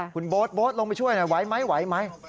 คุณโบ๊ทโบ๊ทลงไปช่วยหน่อยไหวไหมไหวไหม